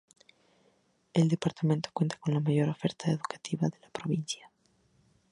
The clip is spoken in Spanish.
El departamento cuenta con la mayor oferta educativa de la provincia.